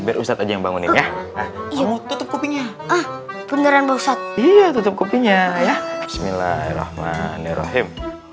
berusaha tadi yang bangunin ya iya tutup kopinya beneran bosat iya tutup kopinya ya bismillahirrohmanirrohim